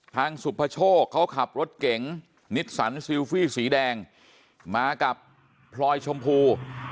สุภโชคเขาขับรถเก๋งนิสสันซิลฟี่สีแดงมากับพลอยชมพู